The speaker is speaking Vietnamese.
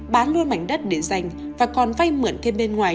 bán luôn mảnh đất để giành và còn vay mượn thêm bên ngoài